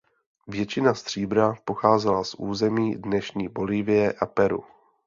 Většina stříbra pocházela z území dnešní Bolívie a Peru.